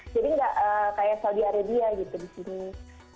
jadi nggak kayak saudi arabia gitu di sini